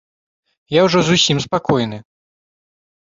Я ўжо зусім спакойны.